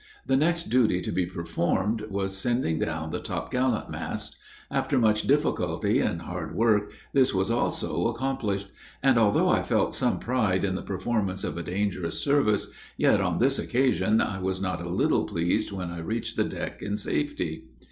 The next duty to be performed, was sending down the top gallant masts. After much difficulty and hard work, this was also accomplished; and, although I felt some pride in the performance of a dangerous service, yet, on this occasion, I was not a little pleased when I reached the deck in safety.